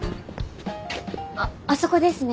あっあそこですね